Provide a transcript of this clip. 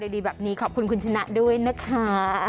ดีแบบนี้ขอบคุณคุณชนะด้วยนะคะ